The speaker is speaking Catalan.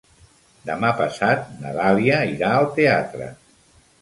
Demà passat na Dàlia irà al teatre.